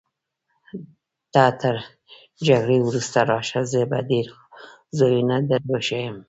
ته تر جګړې وروسته راشه، زه به ډېر ځایونه در وښیم.